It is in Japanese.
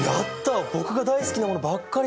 僕が大好きなものばっかりじゃん。